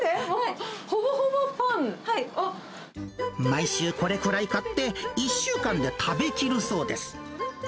毎週これくらい買って、１週間で食べ切るそうです。